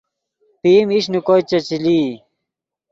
پئیم ایش نے کوئے چے لئی